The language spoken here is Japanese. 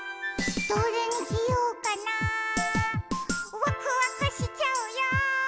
「どれにしようかなわくわくしちゃうよ」